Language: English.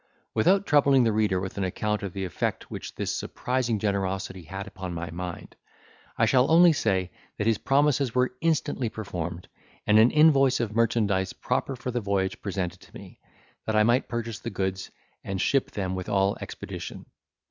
Without troubling the reader with an account of the effect which this surprising generosity had upon my mind, I shall only say, that his promises were instantly performed, and an invoice of merchandise proper for the voyage presented to me, that I might purchase the goods, and ship them with all expedition.